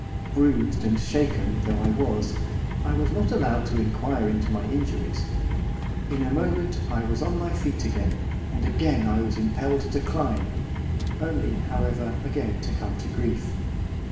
Bruised and shaken though I was, I was not allowed to inquire into my injuries. In a moment I was on my feet again, and again I was impelled to climb, only, however, again to come to grief.